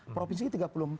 provinsi ini tiga puluh empat